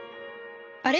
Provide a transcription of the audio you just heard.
あれ？